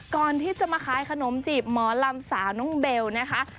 ก่อนที่จะมาขายขนมจีบหมอลำสาวน้องเบลนะคะ